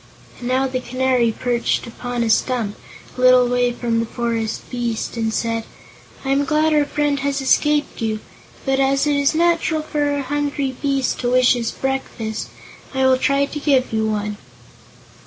And now the Canary perched upon a stump, a little way from the forest beast, and said: "I am glad our friend has escaped you; but, as it is natural for a hungry beast to wish his breakfast, I will try to give you one."